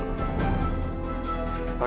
ngirimin mms keadaan kedua orang tua lu